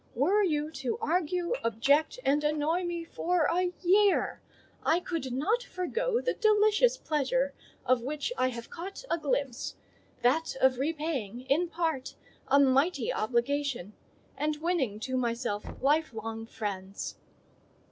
Were you to argue, object, and annoy me for a year, I could not forego the delicious pleasure of which I have caught a glimpse—that of repaying, in part, a mighty obligation, and winning to myself lifelong friends."